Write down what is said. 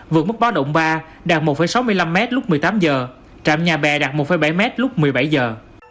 vượt mức báo động ba đạt một sáu mươi năm mét lúc một mươi tám giờ trạm nhà bè đạt một bảy mét lúc một mươi bảy giờ